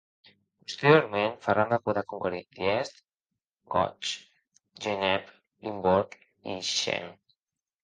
Posteriorment, Ferran va poder conquerir Diest, Goch, Gennep, Limbourg i Schenk.